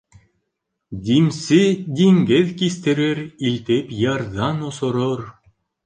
Димсе диңгеҙ кистерер, илтеп ярҙан осорор.